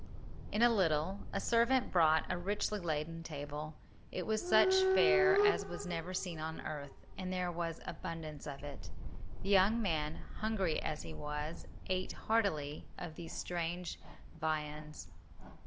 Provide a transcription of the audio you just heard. In a little a servant brought a richly laden table. It was such fare as was never seen on earth, and there was abundance of it. The young man, hungry as he was, ate heartily of these strange viands.